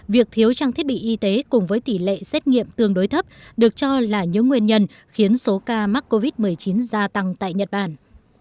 việc thiếu trang thiết bị y tế cùng với tỷ lệ xét nghiệm tương đối thấp được cho là những nguyên nhân khiến số ca mắc covid một mươi chín gia tăng tại nhật bản